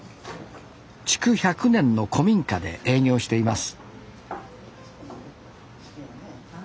築１００年の古民家で営業しています